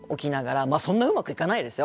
まあそんなうまくいかないですよ